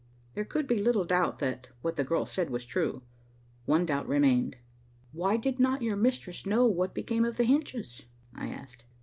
There could be little doubt that what the girl said was true. One doubt remained. "Why did not your mistress know what became of the hinges?" I asked.